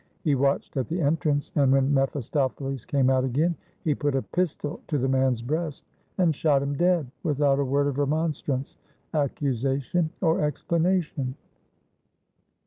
He watched at the entrance, and when mephistopheles came out again, he put a pistol to the man's breast and shot him dead without a word of remonstrance, accusation or explanation.